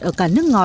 ở cả nước ngoài